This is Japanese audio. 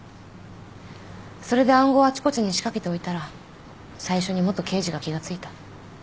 それで暗号をあちこちに仕掛けておいたら最初に元刑事が気が付いた。